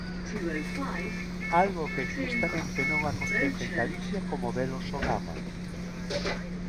Algo que tristemente non acontece en Galicia co modelo Sogama.